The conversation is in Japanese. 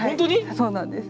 そうなんです。